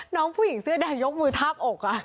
น้องผู้หญิงเสื้อแดงยกมือทาบอก